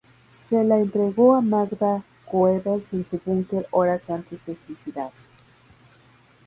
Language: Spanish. Se la entregó a Magda Goebbels en su búnker horas antes de suicidarse.